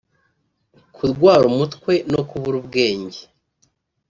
kurwara umutwe no kubura ubwenge